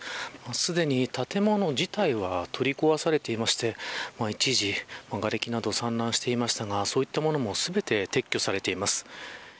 すでに、建物自体は取り壊されていまして一時がれきなど散乱していましたがそういったものも全て撤去されています。